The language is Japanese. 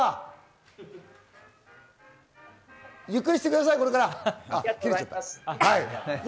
ゆっくりしてください、これからは。